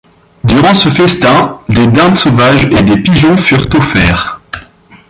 Durant ce festin, des dindes sauvages et des pigeons furent offerts.